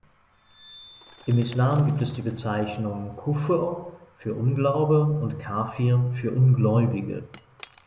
Im Islam gibt es die Bezeichnung "Kufr" für „Unglaube“ sowie "Kāfir" für „Ungläubige“.